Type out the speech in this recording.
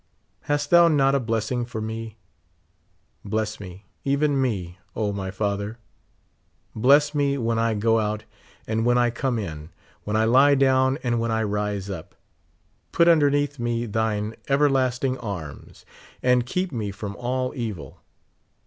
Hast thou not a blessing for me ? Bless me, even me, O my Father ! Bless me when I go out and when I come in ; when I lie down and when I rise up. Put underneath me thine everlasting arms, and keep me from all evil.